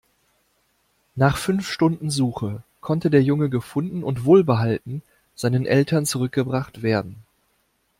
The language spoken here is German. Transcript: Nach fünf Stunden Suche konnte der Junge gefunden und wohlbehalten seinen Eltern zurückgebracht werden.